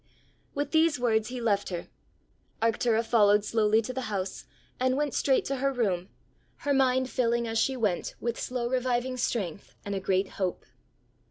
With these words he left her. Arctura followed slowly to the house, and went straight to her room, her mind filling as she went with slow reviving strength and a great hope.